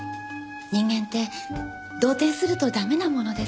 人間って動転すると駄目なものですね。